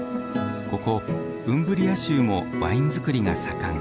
ここウンブリア州もワイン造りが盛ん。